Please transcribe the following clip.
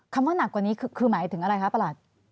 ว่าหนักกว่านี้คือหมายถึงอะไรคะประหลัด